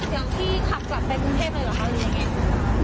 พี่คะเดี๋ยวพี่ขับกลับไปกรุงเทพฯเหมือนกันหรือเปล่า